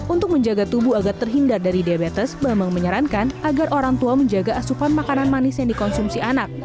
untuk menjaga tubuh agar terhindar dari diabetes bambang menyarankan agar orang tua menjaga asupan makanan manis yang dikonsumsi anak